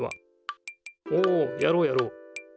おおやろうやろう。